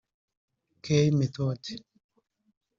Coue Methode